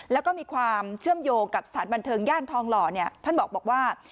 แล้วก็มีความเชื่อมโยงกับสถานบันเทิงย่านทองหล่อเนี่ยท่านบอกว่า